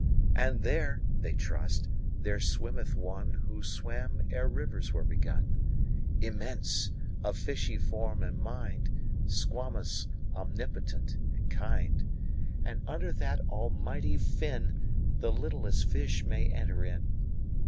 19And there (they trust) there swimmeth One20Who swam ere rivers were begun,21Immense, of fishy form and mind,22Squamous, omnipotent, and kind;23And under that Almighty Fin,24The littlest fish may enter in.